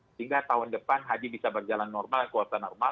sehingga tahun depan haji bisa berjalan normal kuasa normal